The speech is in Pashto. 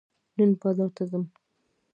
نن بازار ته ځم.